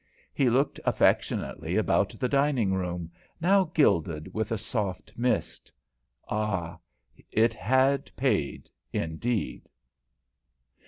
He looked affectionately about the dining room, now gilded with a soft mist. Ah, it had paid indeed!